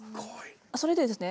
それでですね